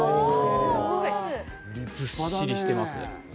ずっしりしてます。